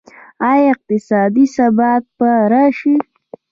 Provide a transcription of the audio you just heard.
آیا اقتصادي ثبات به راشي؟